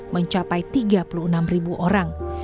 mencapai tiga puluh enam ribu orang